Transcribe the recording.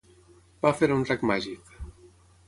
Puff era un drac màgic